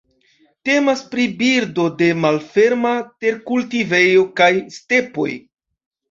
Temas pri birdo de malferma terkultivejoj kaj stepoj.